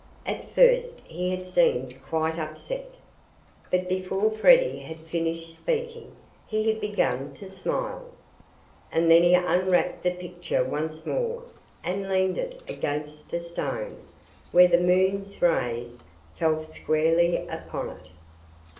At first he had seemed quite upset. But before Freddie had finished speaking he had begun to smile. And then he unwrapped the picture once more and leaned it against a stone, where the moon's rays fell squarely upon it.